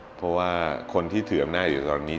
เพราะว่าคนที่ถืออำนาจอยู่ตอนนี้